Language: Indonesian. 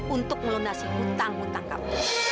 untuk melunasi hutang hutang kpu